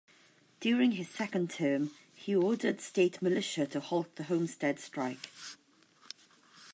During his second term, he ordered state militia to halt the Homestead Strike.